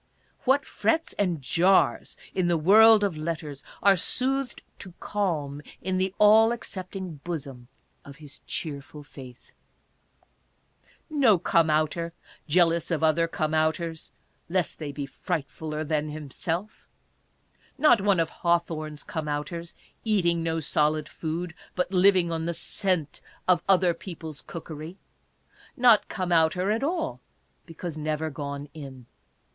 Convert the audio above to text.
What frets and jars in the world of letters are soothed to calm in the all accepting bosom of his cheerful faith ! No come outer, jealous of other come outers, CLIFFORD. 33 lest they be frjghtfuller than himself; not one of Hawthorne's come outers, eating no solid food, but living on the scent of other people's cookery ; not come outer at all, because never gone in.